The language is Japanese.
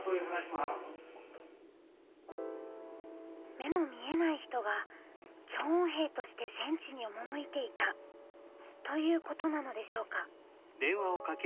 目の見えない人が聴音兵として戦地に赴いていたということなのでしょうか。